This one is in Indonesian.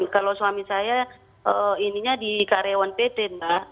kalau suami saya ininya di karyawan pt mbak